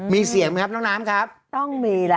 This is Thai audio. มีเสียงไหมครับน้องน้ำครับต้องมีแล้ว